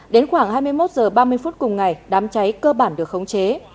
đến khoảng hai mươi một h ba mươi phút cùng ngày đám cháy cơ bản được khống chế